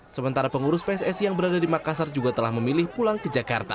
sementara pengurus pssi yang berada di makassar juga telah memilih pulang ke jakarta